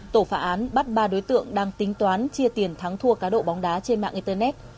tổ phá án bắt ba đối tượng đang tính toán chia tiền thắng thua cá độ bóng đá trên mạng internet